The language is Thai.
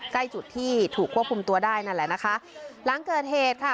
ใกล้จุดที่ถูกควบคุมตัวได้นั่นแหละนะคะหลังเกิดเหตุค่ะ